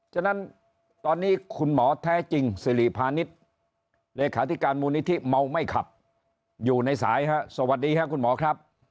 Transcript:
ฉะนั้นตอนนี้คุณหมอแท้จริงสิริพาณิชย์เลขาธิการมูลนิธิเมาไม่ขับอยู่ในสายฮะสวัสดีครับคุณหมอครับ